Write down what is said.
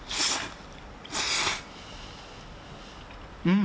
うん！